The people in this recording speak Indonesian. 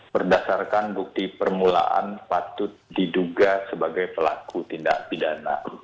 berdasarkan bukti permulaan patut diduga sebagai pelaku tindak pidana